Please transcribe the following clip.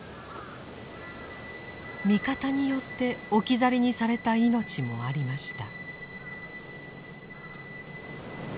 味方によって置き去りにされた命もありました。